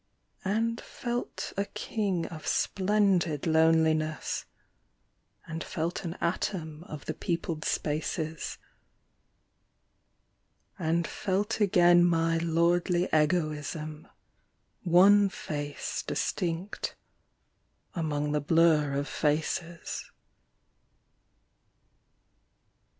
And felt a king of splendid loneliness, and felt an atom of the peopled spaces, And felt again my lordly egoism, one face distinct among the blur of faces.